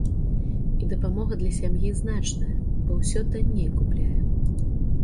І дапамога для сям'і значная, бо ўсё танней купляем.